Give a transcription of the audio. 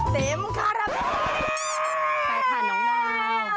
เต็มค่ะแหละแม่